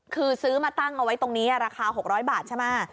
คือซื้อมาตั้งเอาไว้ตรงนี้ราคา๖๐๐บาทใช่ไหม